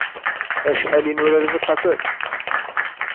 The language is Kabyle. Acḥal i nurar ilqafen!